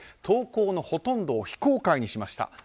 投稿のほとんどを非公開にしました。